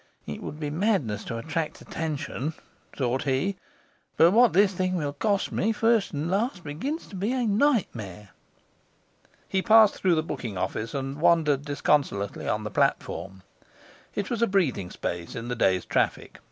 'It would be madness to attract attention,' thought he. 'But what this thing will cost me, first and last, begins to be a nightmare!' He passed through the booking office and wandered disconsolately on the platform. It was a breathing space in the day's traffic.